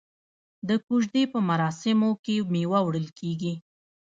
د کوژدې په مراسمو کې میوه وړل کیږي.